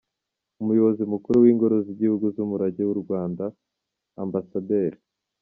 Umuyobozi Mukuru Ingoro z’Igihugu z’Umurage w’u Rwanda, Amb.